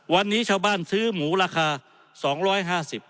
วันนี้ชาวบ้านซื้อหมูราคา๒๕๐บาท